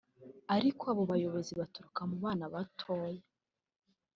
ariko abo bayobozi baturuka mu bana batoya